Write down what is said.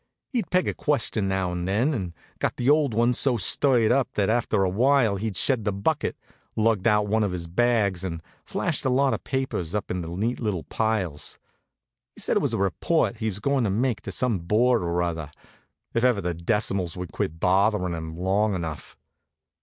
He'd peg in a question now and then, and got the old one so stirred up that after a while he shed the bucket, lugged out one of his bags, and flashed a lot of papers done up in neat little piles. He said it was a report he was goin' to make to some board or other, if ever the decimals would quit bothering him long enough.